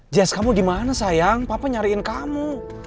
jess kamu dimana sayang papa nyariin kamu